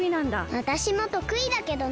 わたしもとくいだけどね。